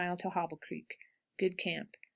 Hobble Creek. Good camp. 6.